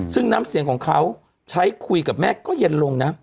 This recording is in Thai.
ซึ่งน้ำเสียงของเขาใช้คุยกับแม่ก็เย็นลงนะ